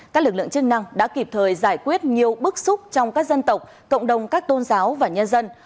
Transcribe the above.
các lực lượng chức năng đã kịp thời giải quyết nhiều bức xúc trong các dân tộc cộng đồng các tôn giáo và nhân dân